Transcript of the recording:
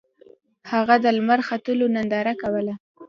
هغه د لمر ختلو ننداره کوله.